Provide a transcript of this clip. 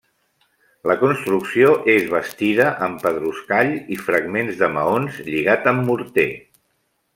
La construcció és bastida amb pedruscall i fragments de maons, lligat amb morter.